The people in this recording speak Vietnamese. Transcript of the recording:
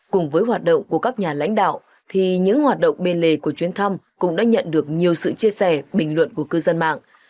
cùng với hoạt động của các nhà lãnh đạo thì những hoạt động bên lề của chuyến thăm cũng đã nhận được nhiều sự chia sẻ bình luận của cư dân mạng